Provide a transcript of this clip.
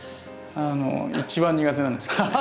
あの一番苦手なんですけどね。